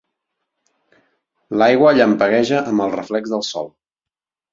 L'aigua llampegueja amb el reflex del sol.